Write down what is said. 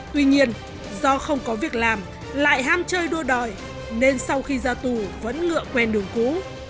tuy nhiên do không có việc làm lại ham chơi đua đòi nên sau khi ra tù vẫn ngựa quen đường cũ